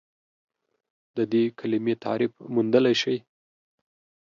د دې کلمې تعریف موندلی شئ؟